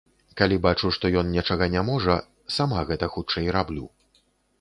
Калі бачу, што ён нечага не можа, сама гэта хутчэй раблю.